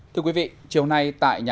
thưa quý vị chiều nay tại nhà nội